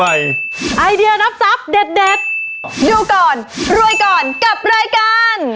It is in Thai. ไอเดียรับทรัพย์เด็ดดูก่อนรวยก่อนกับรายการ